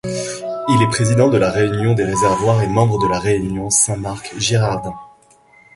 Il est président de la Réunion des réservoirs et membre de la Réunion Saint-Marc-Girardin.